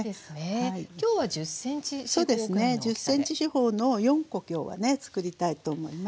１０ｃｍ四方の４コ今日はねつくりたいと思います。